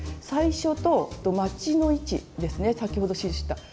最初とまちの位置ですね先ほど印した。